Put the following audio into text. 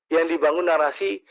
yang dibangun narasi